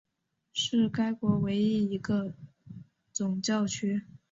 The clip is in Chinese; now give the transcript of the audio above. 是该国唯一一个总教区。